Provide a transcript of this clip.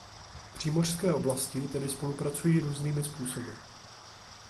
Přímořské oblasti tedy spolupracují různými způsoby.